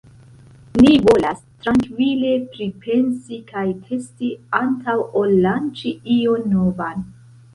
Ni volas trankvile pripensi kaj testi antaŭ ol lanĉi ion novan.